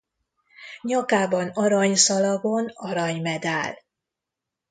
Nyakában arany szalagon arany medál.